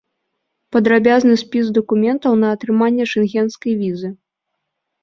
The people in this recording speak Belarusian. Падрабязны спіс дакументаў на атрыманне шэнгенскай візы.